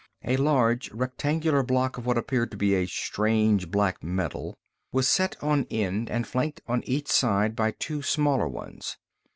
A large rectangular block of what appeared to be a strange black metal was set on end and flanked on each side by two smaller ones.